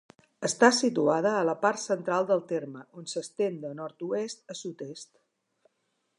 Està situada a la part central del terme, on s'estén de nord-oest a sud-est.